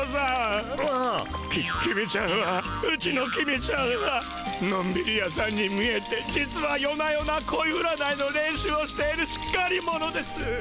き公ちゃんはうちの公ちゃんはのんびり屋さんに見えて実は夜な夜なこい占いの練習をしているしっかり者です。